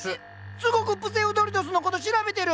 すごくプセウドリトスのこと調べてる！